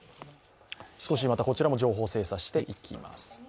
少しまたこちらも情報を精査していきます。